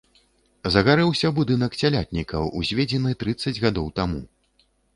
Загарэўся будынак цялятніка, узведзены трыццаць гадоў таму.